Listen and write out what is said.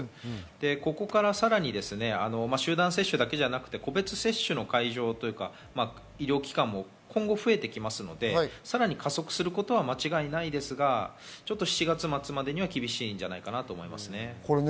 ここから、さらに集団接種だけじゃなく個別接種の会場、医療機関も今後増えてきますので、さらに加速することは間違いないですが、７月末までにはちょっと厳しいんじゃないかなと思いますね。